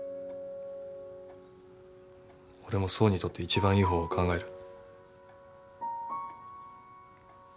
俺も爽にとって一番いい方法を考える。